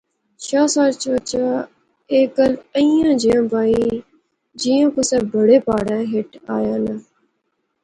شاہ سوار چچا ایہہ گل ایہھاں جئے بائی جیاں کُسے بڑے پہارے ہیٹھ آیا ناں